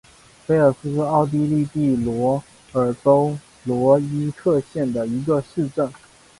菲尔斯是奥地利蒂罗尔州罗伊特县的一个市镇。